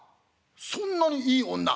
「そんなにいい女？」。